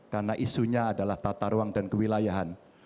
karena isunya adalah tata ruang dan kewilayahan